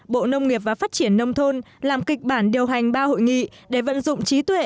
bộ nông nghiệp và phát triển nông thôn làm kịch bản điều hành ba hội nghị để vận dụng trí tuệ